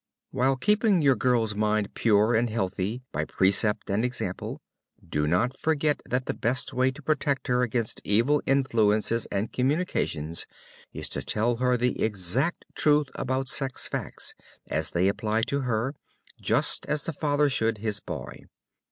While keeping your girl's mind pure and healthy by precept and example, do not forget that the best way to protect her against evil influences and communications is to tell her the exact truth about sex facts, as they apply to her, just as the father should his boy.